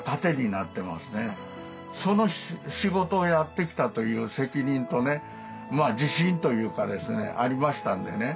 その仕事をやってきたという責任とね自信というかですねありましたんでね